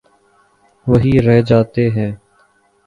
وہی رہ جاتے ہیں۔